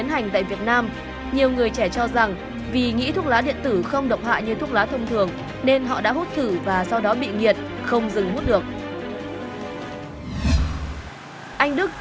nhiều người cho rằng thuốc lá điện tử không hề gây hại cho những người xung quanh